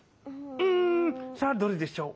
うんさあどれでしょう？